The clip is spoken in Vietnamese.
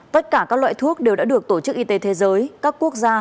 tất cả các loại thuốc đều đã được tổ chức y tế thế giới các quốc gia